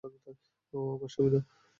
ও আমার স্বামী না।